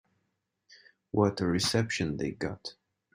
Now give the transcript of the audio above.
What a reception they got.